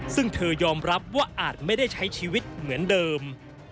ซึ่งเธอยอมรับว่าอาจไม่ได้ใช้ชีวิตเหมือนเดิม